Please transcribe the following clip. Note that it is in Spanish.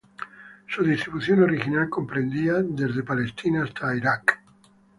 Su distribución original comprendía desde Palestina hasta Irak.